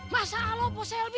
masa allah pak selby